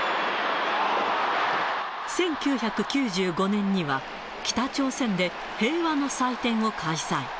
１９９５年には北朝鮮で平和の祭典を開催。